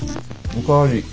お代わり。